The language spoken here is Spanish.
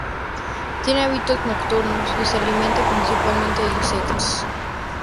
Tiene hábitos nocturnos y se alimenta principalmente de insectos.